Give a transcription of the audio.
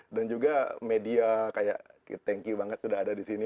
dan juga media kayak thank you banget sudah ada di sini